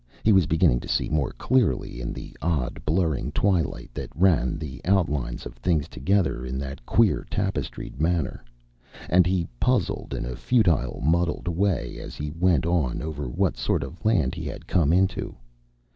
He was beginning to see more clearly in the odd, blurring twilight that ran the outlines of things together in that queer, tapestried manner. And he puzzled in a futile, muddled way as he went on over what sort of land he had come into.